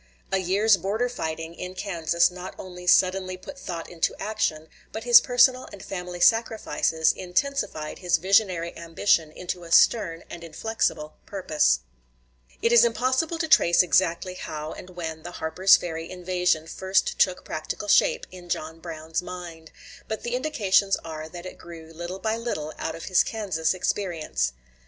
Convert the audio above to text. A year's border fighting in Kansas not only suddenly put thought into action, but his personal and family sacrifices intensified his visionary ambition into a stern and inflexible purpose. [Illustration: JOHN BROWN.] It is impossible to trace exactly how and when the Harper's Ferry invasion first took practical shape in John Brown's mind, but the indications are that it grew little by little out of his Kansas experience.